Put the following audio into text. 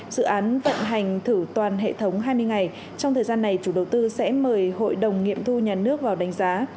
dự án vận hành thử toàn hệ thống hai mươi ngày trong thời gian này chủ đầu tư sẽ mời hội đồng nghiệm thu nhà nước vào đánh giá